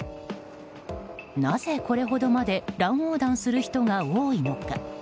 なぜ、これほどまで乱横断する人が多いのか？